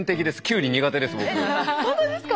本当ですか？